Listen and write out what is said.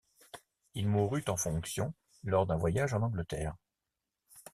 Il mourut en fonction, lors d'un voyage en Angleterre.